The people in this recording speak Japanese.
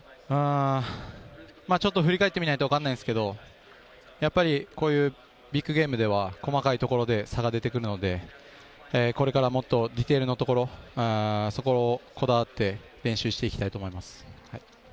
ちょっと振り返ってみないと分かんないですけれど、やっぱりこういうビッグゲームでは細かいところで差が出てくるので、これからもっとディテールのところ、そこをこだわって練習していきたいと思います。